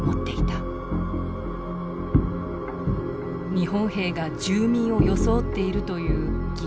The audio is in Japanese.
日本兵が住民を装っているという疑念。